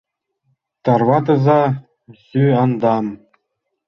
Тарватыза сӱандам.